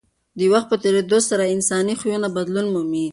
د وخت په تېرېدو سره انساني خویونه بدلون مومي.